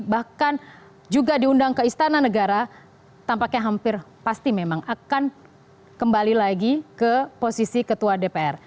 bahkan juga diundang ke istana negara tampaknya hampir pasti memang akan kembali lagi ke posisi ketua dpr